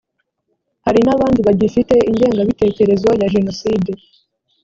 hari n’abandi bagifite ingengabitekerezo ya jenoside